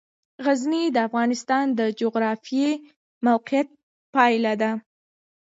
غزني د افغانستان د جغرافیایي موقیعت پایله ده.